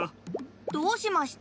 どうしました？